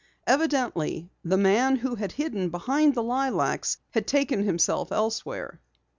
Evidently the man who had hidden behind the lilacs had taken himself elsewhere.